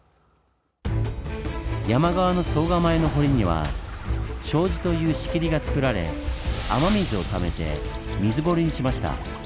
山側の総構の堀には「障子」という仕切りがつくられ雨水をためて水堀にしました。